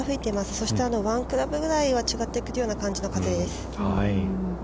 そして、１クラブぐらいは違ってくるぐらいの風です。